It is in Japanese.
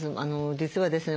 実はですね